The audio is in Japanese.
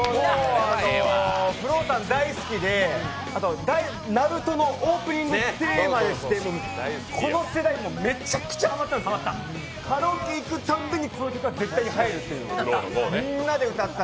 ＦＬＯＷさん大好きで、「ＮＡＲＵＴＯ」のオープニングテーマでしてこの世代ではめちゃくちゃハマったんですよ、カラオケ行くたびにこの曲は絶対に入るので、みんなで歌った。